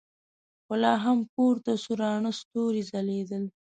خو لا هم پورته څو راڼه ستورې ځلېدل.